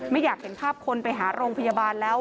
ไม่อยากเห็นภาพคนไปหาโรงพยาบาลแล้ว